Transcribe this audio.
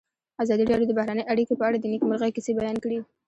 ازادي راډیو د بهرنۍ اړیکې په اړه د نېکمرغۍ کیسې بیان کړې.